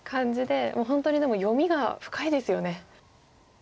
もう本当にでも読みが深いですよね。